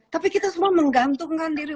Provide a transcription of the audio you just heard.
tapi kita semua menggantungkan diri